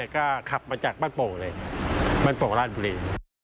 ก็ขับมาจากบ้านโป่งเลยบ้านโป่งราชบุรี